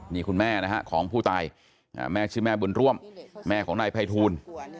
นี่คุณแม่นะฮะของผู้ตายแม่ชื่อแม่บุญร่วมแม่ของนายภัยทูล